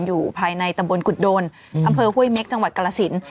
อยู่ภายในตำบลกุฎโดนอำเภอห้วยเม็กจังหวัดกรสิน